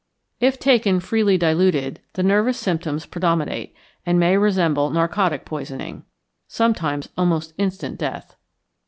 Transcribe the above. If taken freely diluted, the nervous symptoms predominate, and may resemble narcotic poisoning. Sometimes almost instant death.